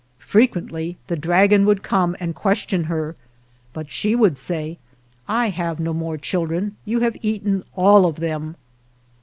Frequently the dragon would come and question her, but she would say, " I have no more children; you have eaten all of them."